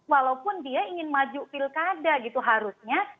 walaupun dia ingin maju pilkada gitu harusnya